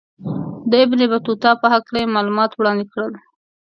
د ابن بطوطه په هکله یې معلومات وړاندې کړل.